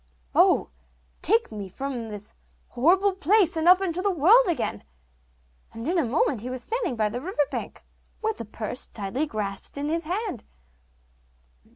'Oh, take me out of this horrible place, and up into the world again; 'and in a moment he was standing by the river bank, with the purse tightly grasped in his hand.